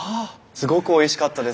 すごくおいしかったです。